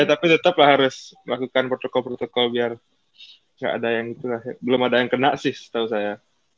ya tapi tetap lah harus lakukan protokol protokol biar gak ada yang belum ada yang kena sih setau saya